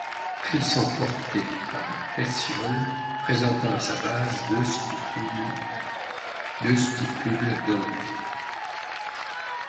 Elles sont portées par un pétiole présentant à sa base deux stipules dentées.